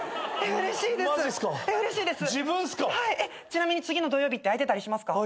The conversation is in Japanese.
ちなみに次の土曜日って空いてたりしますか？